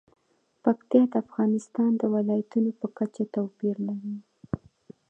پکتیکا د افغانستان د ولایاتو په کچه توپیر لري.